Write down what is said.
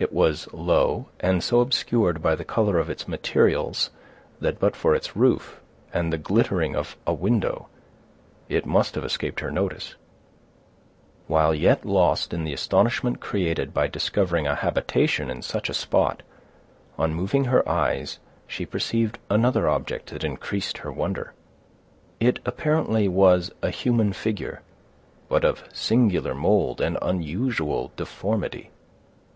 It was low, and so obscured by the color of its materials, that but for its roof, and the glittering of a window, it must have escaped her notice. While yet lost in the astonishment created by discovering a habitation in such a spot, on moving her eyes she perceived another object that increased her wonder. It apparently was a human figure, but of singular mold and unusual deformity.